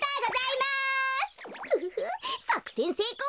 フフフさくせんせいこう。